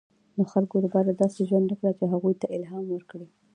• د خلکو لپاره داسې ژوند وکړه، چې هغوی ته الهام ورکړې.